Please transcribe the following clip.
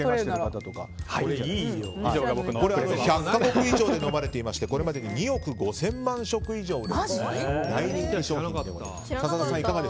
１００か国以上で飲まれていましてこれまで２億５０００万以上売れている人気商品です。